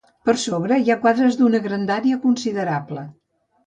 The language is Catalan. Per sobre hi ha quadres d'una grandària considerable.